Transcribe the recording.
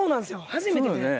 初めてで。